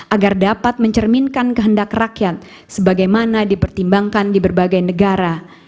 agar dapat mencerminkan kehendak rakyat sebagaimana dipertimbangkan di berbagai negara